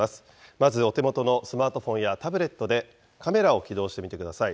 まず、お手元のスマートフォンやタブレットでカメラを起動してみてください。